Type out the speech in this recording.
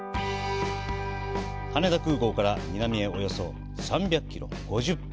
羽田空港から南へおよそ３００キロ、５０分。